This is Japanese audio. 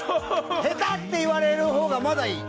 下手！って言われるほうがまだいい。